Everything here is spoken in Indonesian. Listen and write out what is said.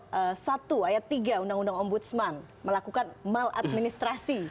pasal satu ayat tiga undang undang ombudsman melakukan maladministrasi